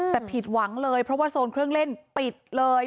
แต่ผิดหวังเลยเพราะว่าโซนเครื่องเล่นปิดเลย